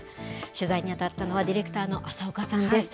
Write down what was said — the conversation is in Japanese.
取材に当たったのは、ディレクターの浅岡さんです。